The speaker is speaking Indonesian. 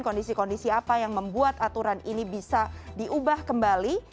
kondisi kondisi apa yang membuat aturan ini bisa diubah kembali